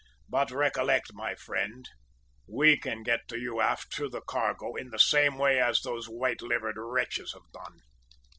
But recollect, my friend, we can get to you aft through the cargo, in the same way as those white livered wretches have done!'